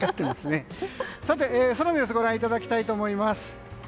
さて、空の様子をご覧いただきたいと思います。